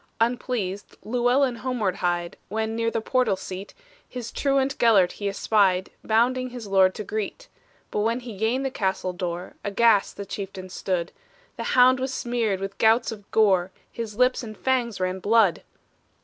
Unpleased, Llewellyn homeward hied, When, near the portal seat, His truant Gelert he espied, Bounding his lord to greet. But when he gained the castle door, Aghast the chieftain stood; The hound was smeared with gouts of gore His lips and fangs ran blood!